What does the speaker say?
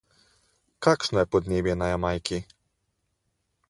Kakšno je podnebje na Jamajki?